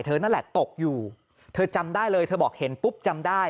นั่นแหละตกอยู่เธอจำได้เลยเธอบอกเห็นปุ๊บจำได้